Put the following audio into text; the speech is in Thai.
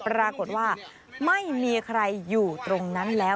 ปรากฏว่าไม่มีใครอยู่ตรงนั้นแล้ว